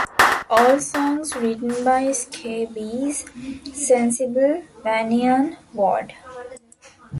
All songs written by Scabies, Sensible, Vanian, Ward.